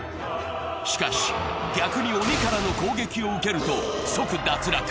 しかし、逆に鬼からの攻撃を受けると即脱落。